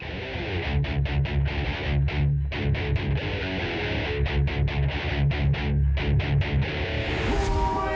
คนนี้มาจากอำเภออูทองจังหวัดสุภัณฑ์บุรีนะครับ